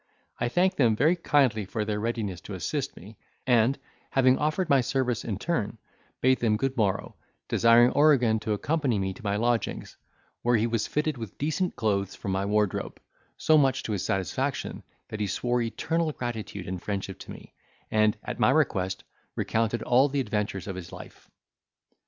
I thanked them very kindly for their readiness to assist me, and, having offered my service in my turn, bade them good morrow, desiring Oregan to accompany me to my lodgings, where he was fitted with decent clothes from my wardrobe, so much to his satisfaction, that he swore eternal gratitude and friendship to me, and, at my request, recounted all the adventures of his life.